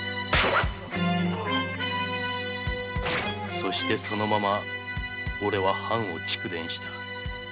そしてそのまま俺は藩を遂電した。